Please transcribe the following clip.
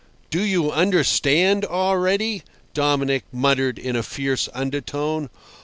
"Do you understand—already?" Dominic muttered in a fierce undertone.